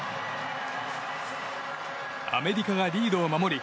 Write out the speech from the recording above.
アメリカがリードを守り